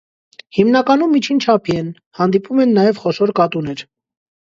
Հիմնականում միջին չափի են, հանդիպում են նաև խոշոր կատուներ։